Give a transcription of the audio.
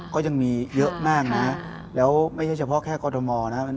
ก็ยังมีเยอะมากนะแล้วไม่ใช่เฉพาะแค่กรทมนะครับ